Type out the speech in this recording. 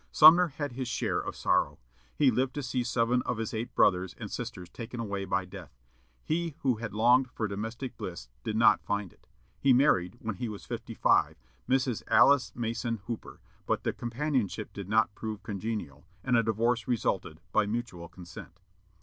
Sumner had his share of sorrow. He lived to see seven of his eight brothers and sisters taken away by death. He who had longed for domestic bliss did not find it. He married, when he was fifty five, Mrs. Alice Mason Hooper, but the companionship did not prove congenial, and a divorce resulted, by mutual consent.